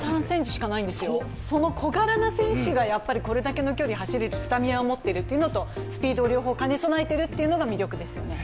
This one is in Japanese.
１５３ｃｍしかないんですよ、その小柄の選手がこれだけの距離を走れるスタミナを持っているというのとスピード、両方を兼ね備えているのが魅力ですよね。